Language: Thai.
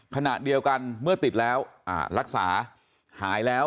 ขณะเดียวกันเมื่อติดแล้วรักษาหายแล้ว